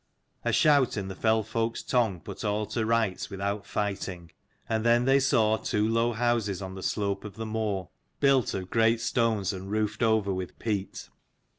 A shout in the fell folk's tongue put all to rights without fighting; and then they saw two low houses on the slope of the moor, built of great stones and roofed over with peat.